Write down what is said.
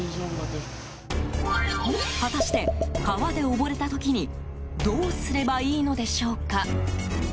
果たして、川で溺れた時にどうすればいいのでしょうか。